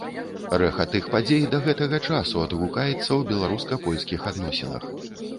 Рэха тых падзей да гэтага часу адгукаецца ў беларуска-польскіх адносінах.